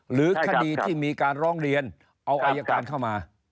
หรือคดีที่มีการร้องเรียนเอาอายการเข้ามา